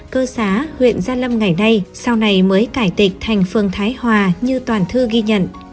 cơ xá huyện gia lâm ngày nay sau này mới cải tịch thành phường thái hòa như toàn thư ghi nhận